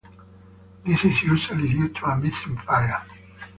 This is usually due to a missing file.